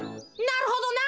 なるほどな。